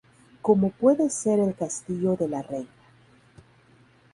Como puede ser El Castillo de la Reina.